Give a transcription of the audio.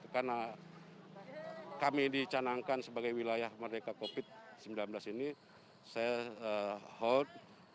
karena kami dicanangkan sebagai wilayah merdeka covid sembilan belas ini saya hold